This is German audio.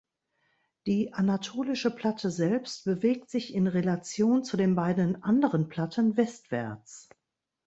Die Anatolische Platte selbst bewegt sich in Relation zu den beiden anderen Platten westwärts.